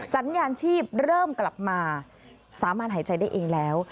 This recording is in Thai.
สัญญาณชีพเริ่มกลับมาสามารถหายใจได้เองแล้ว